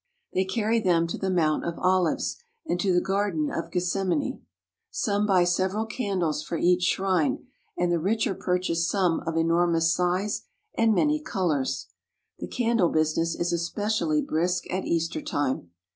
They carry them to the Mount of Olives and to the Garden of Gethsemane. Some buy several candles for each shrine, and the richer purchase some of enormous size and many colours. The candle business is especially brisk at Easter time.